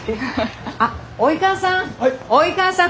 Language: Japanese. あっ及川さん。